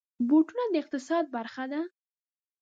بوټونه د اقتصاد برخه ده.